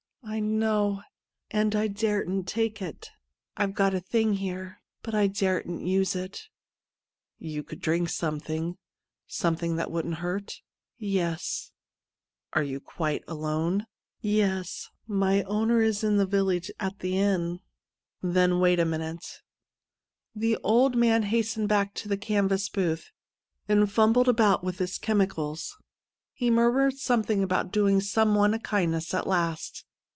' I know — and I daren't take it — I've got a thing here, but I daren't use it.' ' You could drink something — something that wouldn't hurt ?' 'Yes.' ' You are quite alone }'' Yes ; my owner is in the village, at the inn.' ' Then wait a minute.' The old man hastened back to the canvas booth, and fumbled about with his chemicals. He mur mured something about doing some one a kindness at last.